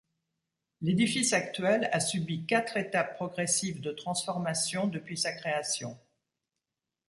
L'édifice actuel a subi quatre étapes progressives de transformation depuis sa création.